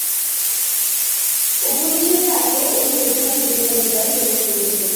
উপনিষদে আছে, ঐ শ্রদ্ধা নচিকেতার হৃদয়ে প্রবেশ করেছিল।